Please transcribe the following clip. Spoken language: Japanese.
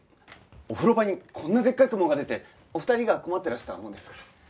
お風呂場にこんなでっかいクモが出てお二人が困ってらしたもんですから。